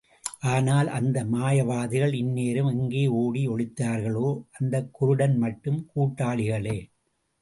ஆனால், அந்த மாயவாதிகள் இந்நேரம் எங்கே ஓடி ஒளிந்தார்களோ அந்தக் குருடன் மட்டும் கூட்டாளிகளே!